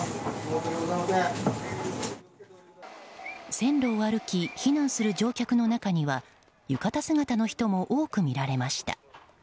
線路を歩き避難する乗客の中には浴衣姿の人も多く見られました。